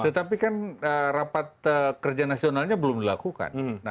tetapi kan rapat kerja nasionalnya belum dilakukan